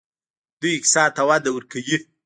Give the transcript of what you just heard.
دوی اقتصاد ته وده ورکوي.